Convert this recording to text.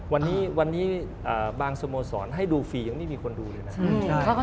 วันนี้วันนี้บางสโมสรให้ดูฟรียังไม่มีคนดูเลยนะ